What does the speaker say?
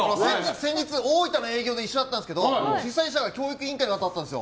先日、大分の営業で一緒だったんですけど主催者が教育委員会だったんですよ。